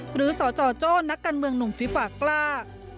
สจโจ้นักการเมืองหนุ่มฟิปากกล้า